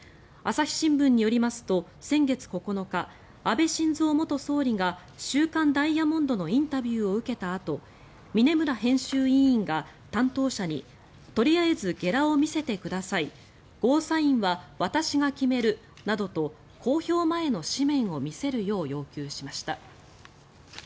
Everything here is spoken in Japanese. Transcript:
朝日新聞によりますと先月９日安倍晋三元総理が「週刊ダイヤモンド」のインタビューを受けたあと峯村編集委員が担当者にとりあえずゲラを見せてくださいゴーサインは私が決めるなどと公表前の誌面を見せるよう要求しました。